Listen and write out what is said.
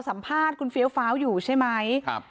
สัมภาษณ์คุณเฟี้ยวฟ้าวอยู่ใช่ไหมครับ